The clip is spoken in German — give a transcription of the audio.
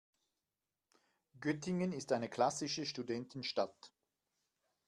Göttingen ist eine klassische Studentenstadt.